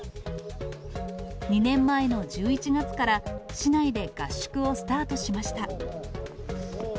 ２年前の１１月から、市内で合宿をスタートしました。